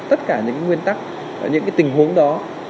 tất cả những cái nguyên tắc những cái tình huống đó